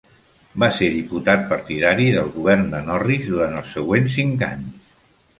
Va ser diputat partidari del govern de Norris durant els següents cinc anys.